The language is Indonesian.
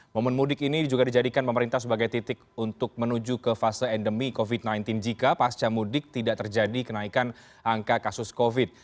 momen mudik ini juga dijadikan pemerintah sebagai titik untuk menuju ke fase endemi covid sembilan belas jika pasca mudik tidak terjadi kenaikan angka kasus covid